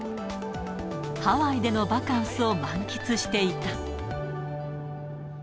ハワイでのバカンスを満喫していた。